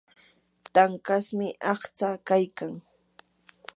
tankashmi aqtsaa kaykan.